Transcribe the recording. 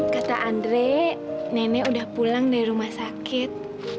kata andre nenek udah pulang dari rumah sakit